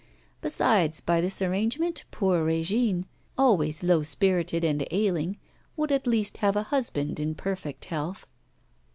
Besides, by this arrangement poor Régine, always low spirited and ailing, would at least have a husband in perfect health.